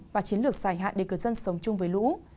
và chiến lược dài hạn để cửa dân sống chung với lũ